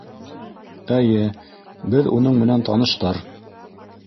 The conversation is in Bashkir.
Әйе, беҙ уның менән таныштар.